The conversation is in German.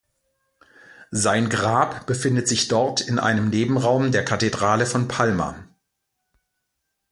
Sein Grab befindet sich dort in einem Nebenraum der Kathedrale von Palma.